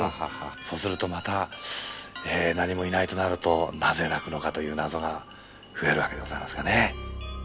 そうするとまた、何もいないとなると、なぜ鳴くのかという謎が増えるわけでございますがね。